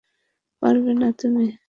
পারবে না তুমি?